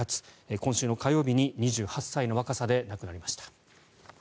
今週火曜日に２８歳の若さで亡くなりました。